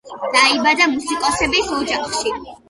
დაიბადა მუსიკოსების ოჯახში.